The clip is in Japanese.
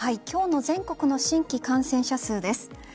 今日の全国の新規感染者数です。